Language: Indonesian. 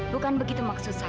bukan begitu maksud saya